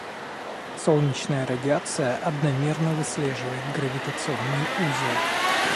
Солнечная радиация одномерно выслеживает гравитационный узел.